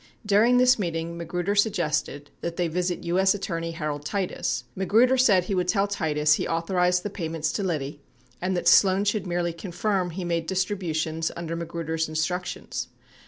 Dur ing this meeting Magruder suggested that they visit 17. S. Attorney Harold Titus. Magruder said he would tell Titus he authorized the payments to Liddy and that Sloan should merely confirm he made distributions under Magruder's instructions.